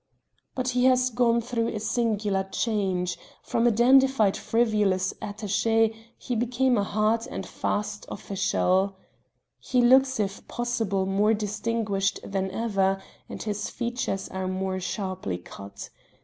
But he has gone through a singular change; from a dandified, frivolous attaché he became a hard and fast official. He looks if possible more distinguished than ever and his features are more sharply cut.